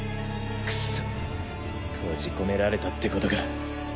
くそっ閉じ込められたってことか。